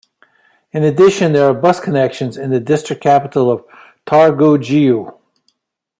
In addition, there are bus connections in the district capital of Targu Jiu.